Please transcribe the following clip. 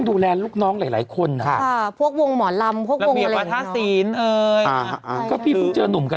คือพี่พี่เจอนุ่มกรา